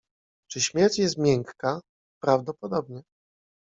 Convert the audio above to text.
Czy śmierć jest miękka? Prawdopodobnie.